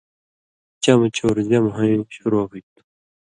چمہۡ چور جمع ہویں شروع ہُوئ تُھو۔